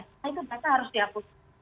nah itu data harus dihapus